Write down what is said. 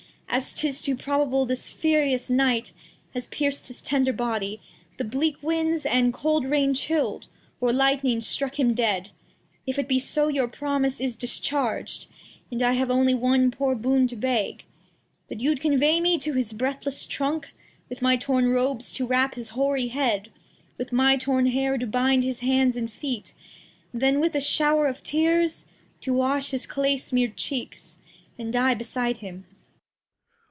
As 'tis too probable, this furious Night Has pierc'd his tender Body, the bleak Winds, And cold Rain chill'd, or Lightning struck him dead ; If it be so, your Promise is discharg'd, And I have only one poor Boon to beg. That you'd convey me to his breathless Trunk, With my torn Robes to wrap his hoary Head, With my torn Hair to bind his Hands and Feet, Then with a Show'r of Tears To wash his Clay smear'd Cheeks, and Die beside him.